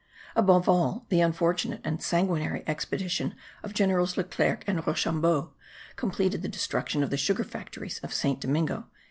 Above all the unfortunate and sanguinary expedition of Generals Leclerc and Rochambeau completed the destruction of the sugar factories of Saint Domingo.)